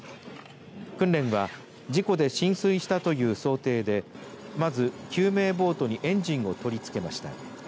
訓練は事故で浸水したという想定で、まず救命ボートにエンジンを取り付けました。